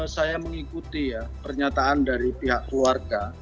saya mengikuti ya pernyataan dari pihak keluarga